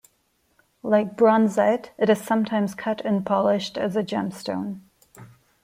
Like bronzite, it is sometimes cut and polished as a gemstone.